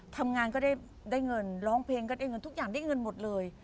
ทำงานก็ได้เงินร้องเพลงก็ได้เงินทุกอย่างได้เงินหมดเลย